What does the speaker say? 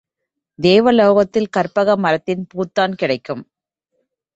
தேவ லோகத்தில் கற்பக மரத்தின் பூத்தான் கிடைக்கும்.